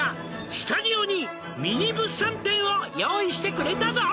「スタジオにミニ物産展を用意してくれたぞ」